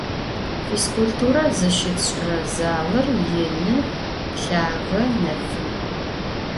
Fizkulture zışıtş'ıre zalır yinı, lhage, nefın.